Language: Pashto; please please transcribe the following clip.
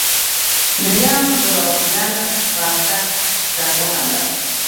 دريم درواغجن په کټ کټ وخندل.